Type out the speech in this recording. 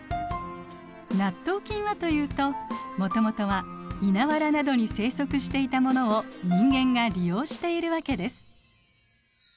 納豆菌はというともともとは稲わらなどに生息していたものを人間が利用しているわけです。